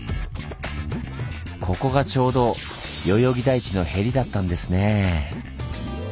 ここがちょうど代々木台地のへりだったんですね。